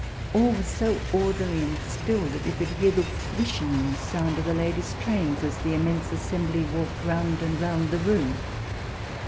All was so orderly and still that you could hear the whishing sound of the ladies' trains, as the immense assembly walked round and round the room.